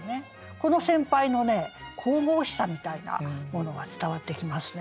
この先輩のね神々しさみたいなものが伝わってきますね。